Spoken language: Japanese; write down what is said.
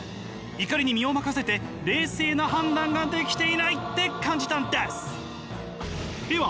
怒りに身を任せて冷静な判断ができていないって感じたんです！